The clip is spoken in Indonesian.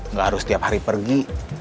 nggak harus setiap hari pergi